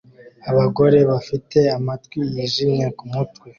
Abagore bafite amatwi yijimye ku mutwe